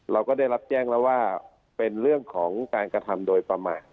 เราก็ได้รับแจ้งแล้วว่าเป็นเรื่องของการกระทำโดยประมาท